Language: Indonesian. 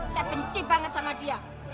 saya benci banget sama dia